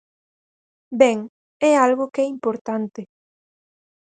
Ben, é algo que é importante.